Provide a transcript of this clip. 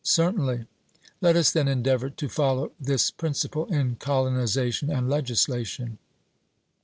'Certainly.' Let us then endeavour to follow this principle in colonization and legislation.